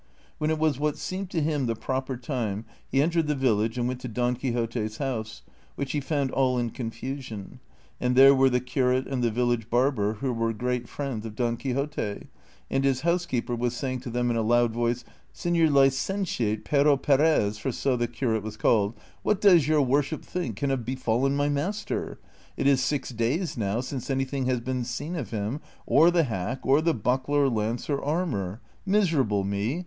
When it was what seemed to him the proper time he entered the village and went to Don Quixote's house, which he found all in con fusion, and there were the curate and the village barber, who were great friends of Don Quixote, and his housekeeper was saying to them in a loud voice, " Seiior licentiate Pero Perez," for so the curate was called, " what does your worship think can have befallen my master ? it is six days now since anything has been seen of him, or the hack, or the buckler, lance, or armor. Miserable me